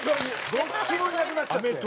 どっちもいなくなっちゃって。